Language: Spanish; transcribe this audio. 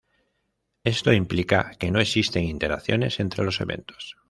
Esto implica que no existen interacciones entre los eventos.